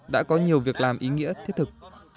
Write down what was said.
đã có nhiều việc làm ý nghĩa thiết thực